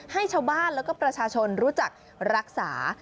ให้ชาวบ้านแล้วก็ประชาชนรู้จักรักษา